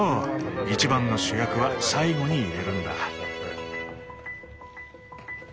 一番の主役は最後に入れるんだ。